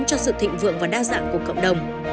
cho sự thịnh vượng và đa dạng của cộng đồng